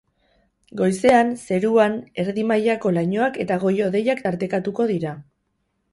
Goizean, zeruan erdi mailako lainoak eta goi-hodeiak tartekatuko dira.